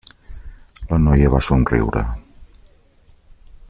La noia va somriure.